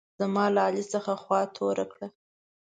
زما له علي څخه خوا توره کړه.